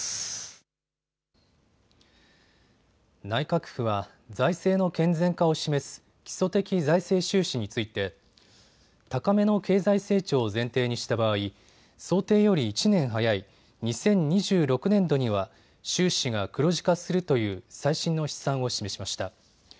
内閣府は財政の健全化を示す基礎的財政収支について高めの経済成長を前提にした場合、想定より１年早い２０２６年度には収支が黒字化するという最新の試算を示しました。